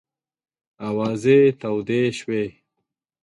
آوازې تودې شوې.